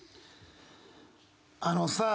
あのさあ。